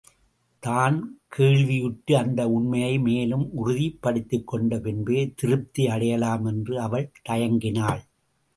தான் கேள்வியுற்ற அந்த உண்மையை மேலும் உறுதிப்படுத்திக் கொண்ட பின்பே திருப்தி அடையலாம் என்று அவள் தயங்கினாள்.